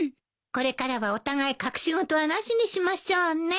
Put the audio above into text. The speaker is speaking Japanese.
これからはお互い隠し事はなしにしましょうね。